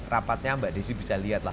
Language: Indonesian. rapatnya mbak desy bisa lihatlah